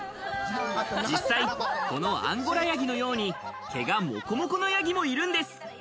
実際、このアンゴラヤギのように、毛がモコモコのヤギもいるんです。